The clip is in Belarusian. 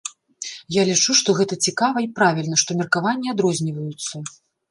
Я лічу, што гэта цікава і правільна, што меркаванні адрозніваюцца.